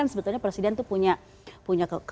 sebenarnya presiden itu punya